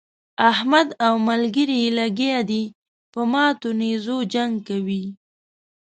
احمد او ملګري يې لګيا دي په ماتو نېزو جنګ کوي.